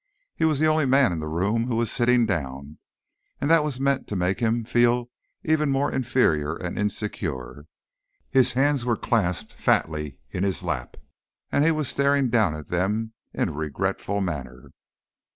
He was the only man in the room who was sitting down, and that was meant to make him feel even more inferior and insecure. His hands were clasped fatly in his lap, and he was staring down at them in a regretful manner.